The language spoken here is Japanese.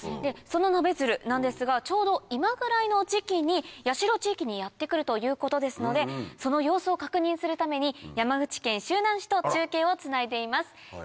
そのナベヅルなんですがちょうど今ぐらいの時期に八代地域にやって来るということですのでその様子を確認するために山口県周南市と中継をつないでいます。